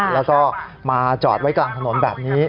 แล้วก็มาจอดไว้กลางถนนแบบนี้